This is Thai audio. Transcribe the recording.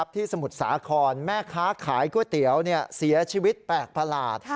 สมุทรสาครแม่ค้าขายก๋วยเตี๋ยวเสียชีวิตแปลกประหลาด